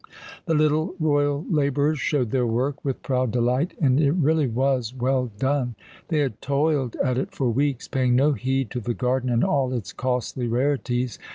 The little royal labourers showed their work with proud delight, and it really was well done. They had toiled at it for weeks, paying no heed to the garden and all its costly rarities.